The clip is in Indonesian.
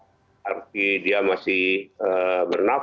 bukan arti menyelamatkan dalam arti diamantri